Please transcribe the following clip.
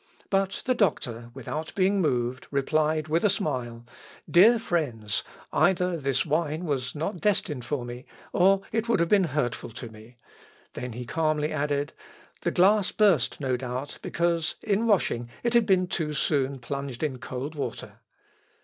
But the doctor, without being moved, replied, with a smile, "Dear friends, either this wine was not destined for me, or it would have been hurtful to me." Then he calmly added, "The glass burst, no doubt, because in washing it had been too soon plunged in cold water."